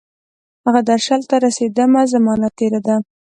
هغه درشل ته رسیدمه، زمانه تیره ده